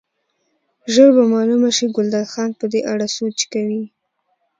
ژر به معلومه شي، ګلداد خان په دې اړه سوچ کوي.